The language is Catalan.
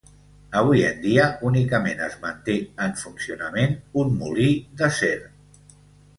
Avui en dia únicament es manté en funcionament un molí d'acer.